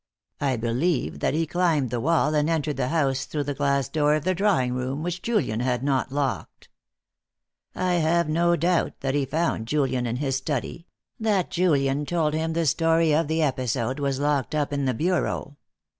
I believe that he climbed the wall and entered the house through the glass door of the drawing room, which Julian had not locked. I have no doubt that he found Julian in his study, that Julian told him the story of the episode was locked up in the bureau.